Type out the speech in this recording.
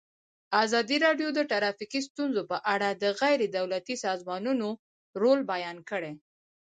ازادي راډیو د ټرافیکي ستونزې په اړه د غیر دولتي سازمانونو رول بیان کړی.